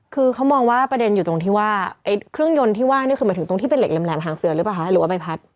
คือเขามองว่าประเด็นอยู่ตรงที่ว่าเครื่องยนต์ที่ว่านี่คือหมายถึงตรงที่เป็นเหล็กแหลมหางเสือหรือเปล่าคะหรือว่าใบพัด